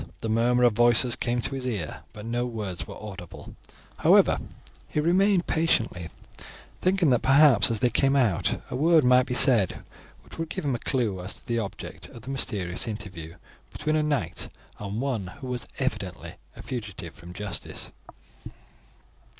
The murmur of voices came to his ear, but no words were audible; however, he remained patiently, thinking that perhaps as they came out a word might be said which would give him a clue to the object of the mysterious interview between a knight and one who was evidently a fugitive from justice.